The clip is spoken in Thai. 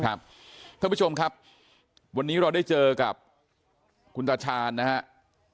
ท่านผู้ชมครับวันนี้เราได้เจอกับคุณตาชาญนะครับ